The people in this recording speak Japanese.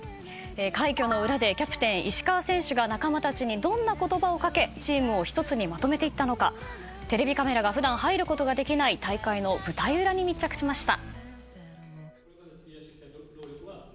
快挙の裏でキャプテン石川選手が仲間たちにどんな言葉をかけチームを一つにまとめていったのかテレビカメラが普段入ることができない大会の舞台裏に密着しました。